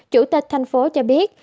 chủ tịch thành phố cho biết